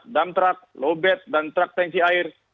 dump truck low bed dan truk tensi air